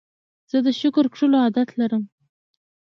زه د شکر کښلو عادت لرم.